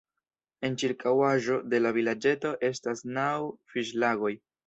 En ĉirkaŭaĵo de la vilaĝeto estas naŭ fiŝlagoj.